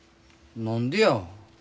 何でや？